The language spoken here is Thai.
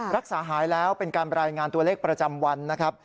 รักษาหายแล้วเป็นการรายงานตัวเลขประจำวันนะครับ